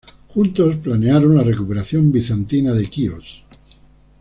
Juntos planearon la recuperación bizantina de Quíos.